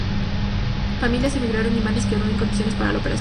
Familias emigraron y Banes quedó en condiciones para la operación.